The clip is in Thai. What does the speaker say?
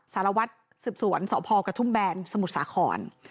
สารวัตรสืบสวนสพกระทุ่มแบนสมุทรสาคร